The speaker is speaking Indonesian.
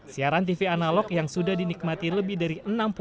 siaran tv analog yang sudah dinikmati lebih dari enam puluh